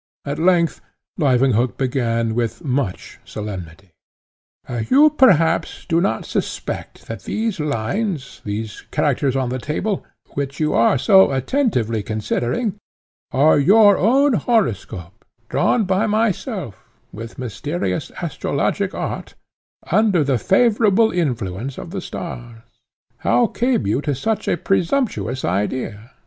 At length Leuwenhock began with much solemnity: "You, perhaps, do not suspect that those lines, those characters on the table, which you are so attentively considering, are your own horoscope, drawn by myself, with mysterious astrologic art, under the favourable influence of the stars. How came you to such a presumptuous idea?